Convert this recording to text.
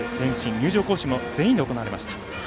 入場行進も全員で行われました。